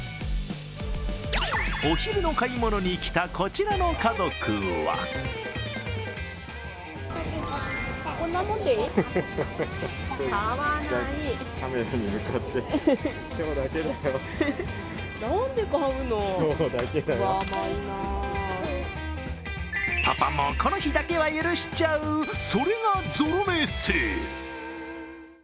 お昼の買い物に来た、こちらの家族はパパもこの日だけは許しちゃう、それがゾロ目セール。